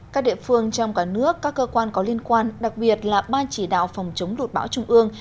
các địa phương trong cả nước các cơ quan có liên quan đặc biệt là ban chỉ đạo phòng chống lụt bão trung ương